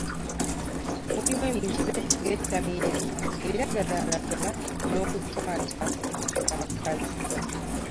Mulimu emize ng'ettamiiro, ebiragalalagala n'okukwata n'abakazi